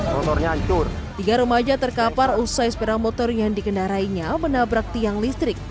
motor hancur tiga remaja terkapar usai sepeda motor yang dikendarainya menabrak tiang listrik